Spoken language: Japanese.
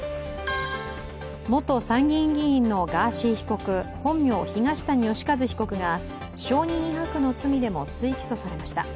元参議院議員のガーシー被告本名・東谷義和被告が証人威迫の罪でも追起訴されました。